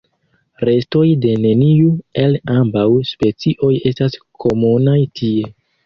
Restoj de neniu el ambaŭ specioj estas komunaj tie.